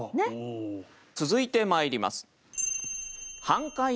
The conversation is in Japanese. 続いてまいります。